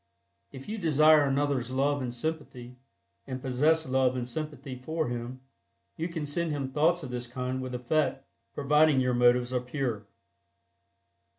If you desire another's love and sympathy, and possess love and sympathy for him, you can send him thoughts of this kind with effect, providing your motives are pure.